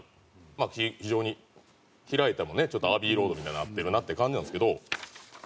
まあ非常に開いたらねちょっと『アビイ・ロード』みたいになってるなって感じなんですけど。